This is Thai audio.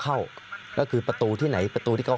สามารถรู้ได้เลยเหรอคะ